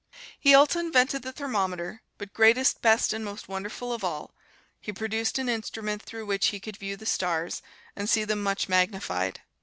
He also invented the thermometer; but greatest, best and most wonderful of all, he produced an instrument through which he could view the stars, and see them much magnified.